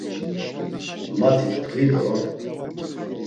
Mati ptkvi do...